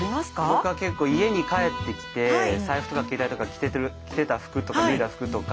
僕は結構家に帰ってきて財布とか携帯とか着てた服とか脱いだ服とかを。